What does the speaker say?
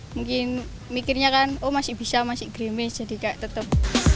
mungkin mikirnya kan oh masih bisa masih grimis jadi kayak tetap